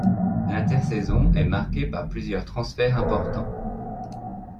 L'intersaison est marquée par plusieurs transferts importants.